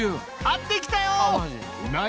会ってきたよ！